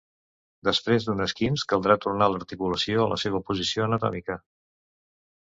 Després d'un esquinç caldrà tornar l'articulació a la seva posició anatòmica.